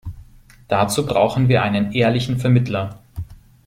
Dazu brauchen wir einen ehrlichen Vermittler.